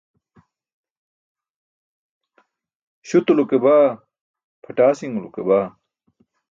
Śutulo ke baa, pʰatasiṅulo ke baa.